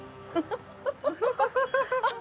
フフフフ。